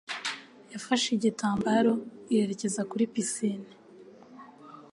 yafashe igitambaro yerekeza kuri pisine.